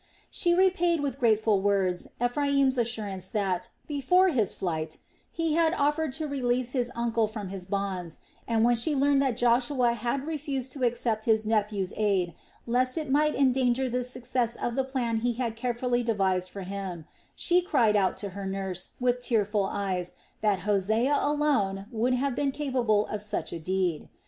She repaid with grateful words Ephraim's assurance that, before his flight, he had offered to release his uncle from his bonds and, when she learned that Joshua had refused to accept his nephew's aid, lest it might endanger the success of the plan he had cleverly devised for him, she cried out to her nurse, with tearful eyes, that Hosea alone would have been capable of such a deed.